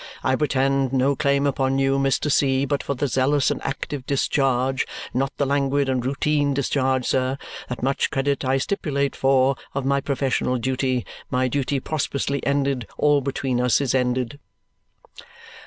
I pretend to no claim upon you, Mr. C., but for the zealous and active discharge not the languid and routine discharge, sir: that much credit I stipulate for of my professional duty. My duty prosperously ended, all between us is ended."